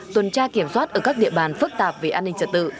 tuần tra kiểm soát ở các địa bàn phức tạp về an ninh trật tự